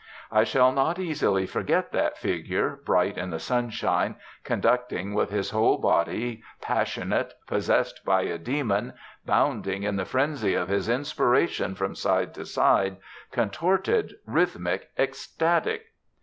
I shall not easily forget that figure, bright in the sunshine, conducting with his whole body, passionate, possessed by a demon, bounding in the frenzy of his inspiration from side to side, contorted, rhythmic, ecstatic.